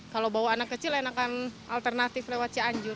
kalau bawa anak kecil enakan alternatif lewat cianjur